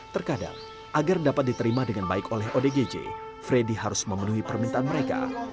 terkadang agar dapat diterima dengan baik oleh odgj freddy harus memenuhi permintaan mereka